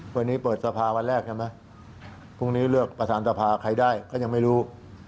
วันนี้เปิดสภาวันแรกใช่ไหมพรุ่งนี้เลือกประธานสภาใครได้ก็ยังไม่รู้